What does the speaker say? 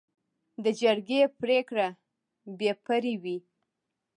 د جرګې پریکړه بې پرې وي.